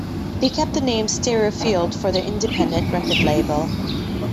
They kept the name Stereo Field for their independent record label.